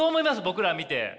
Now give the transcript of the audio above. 僕ら見て。